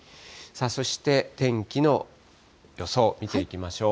そして、天気の予想見ていきましょう。